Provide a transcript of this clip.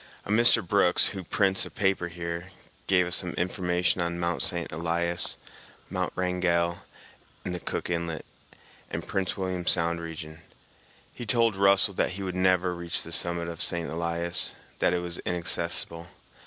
A Mr. Brooks, who prints a paper here, gave us some information on Mt. St. Elias, Mt. Wrangell, and the Cook Inlet and Prince William Sound region. He told Russell that he would never reach the summit of St. Elias, that it was inaccessible.